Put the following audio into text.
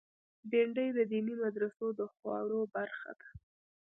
بېنډۍ د دیني مدرسو د خواړو برخه ده